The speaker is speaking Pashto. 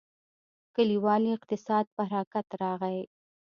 کلیوالي اقتصاد په حرکت راغی.